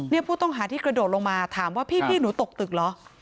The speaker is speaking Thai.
ผู้ต้องหาที่กระโดดลงมาถามว่าพี่หนูตกตึกเหรอ